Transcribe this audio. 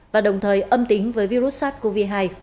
và đồng thời âm tính với virus sars cov hai